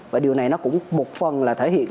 và điều này nó cũng một phần là thể hiện